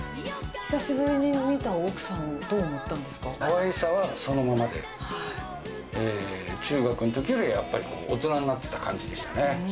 久しぶりに見た奥さんはどうかわいさはそのままで、中学のときよりやっぱり大人になってた感じでしたね。